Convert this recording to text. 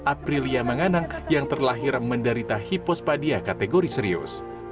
aprilia manganang yang terlahir menderita hipospadia kategori serius